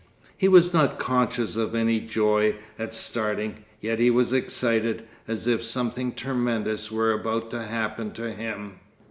He was not conscious of any joy at starting, yet he was excited, as if something tremendous were about to happen to him.